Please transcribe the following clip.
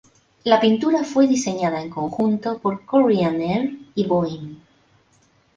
La pintura fue diseñada en conjunto por Korean Air y Boeing.